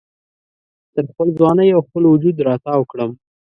تر خپل ځوانۍ او خپل وجود را تاو کړم